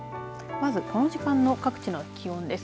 まずこの時間の各地の気温です。